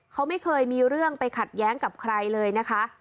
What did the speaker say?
เขาไม่เคยมีเรื่องไปขัดแย้งกับใครเลยนะคะ